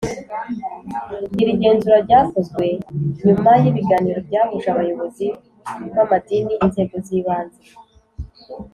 Iri genzura ryakozwe nyuma y ibiganiro byahuje abayobozi b amadini inzego z ibanze